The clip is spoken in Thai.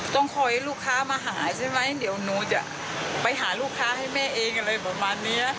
ต้องคอยลูกค้ามาหาใช่ไหมเดี๋ยวหนูจะไปหาลูกค้าให้แม่เองอะไรประมาณนี้